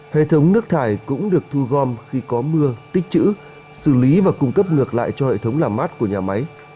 hệ thống nước thải cũng được thu gom khi có mưa tích chữ xử lý và cung cấp ngược lại cho hệ thống làm mát của nhà máy